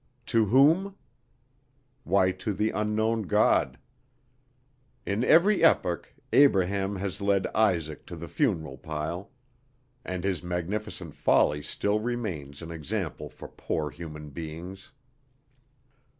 To whom? Why, to the unknown god. In every epoch Abraham has led Isaac to the funeral pile. And his magnificent folly still remains an example for poor human beings.